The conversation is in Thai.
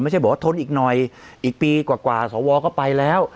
ไม่ใช่บอกว่าทนอีกหน่อยอีกปีกว่าสวก็ไปแล้ว